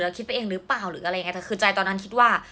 คิดไปเองหรือเปล่าหรืออะไรอย่างเงี้แต่คือใจตอนนั้นคิดว่า